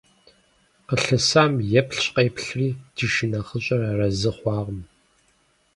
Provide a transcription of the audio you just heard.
Къылъысам еплъщ-къеплъри, ди шынэхъыщӀэр арэзы хъуакъым.